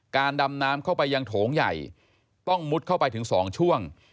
ดำน้ำเข้าไปยังโถงใหญ่ต้องมุดเข้าไปถึง๒ช่วง